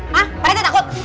hah pak rt takut